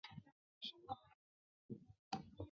正元二年进军。